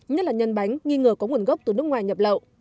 nhất là nhân bánh nghi ngờ có nguồn gốc từ nước ngoài nhập lậu